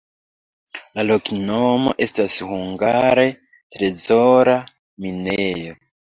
La loknomo estas hungare trezora-minejo.